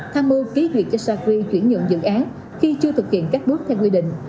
tham mưu ký duyệt cho sacri chuyển nhận dự án khi chưa thực hiện các bước theo quy định